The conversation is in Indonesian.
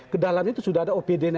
ke dalam itu sudah ada opd